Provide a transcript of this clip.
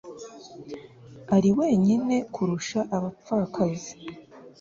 Ari wenyine kurusha abapfakazi